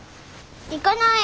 行かない！